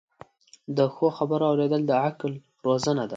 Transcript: د ښو خبرو اوریدل د عقل روزنه ده.